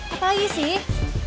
apa lagi sih